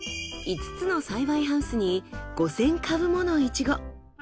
５つの栽培ハウスに５，０００株ものイチゴ。